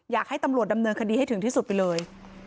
อยากให้ตำรวจดำเนินคดีให้ถึงที่สุดไปเลย